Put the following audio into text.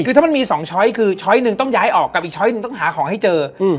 คือถ้ามันมีสองช้อยคือช้อยหนึ่งต้องย้ายออกกับอีกช้อยหนึ่งต้องหาของให้เจอ